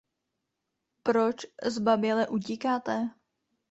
Proč zbaběle utíkáte?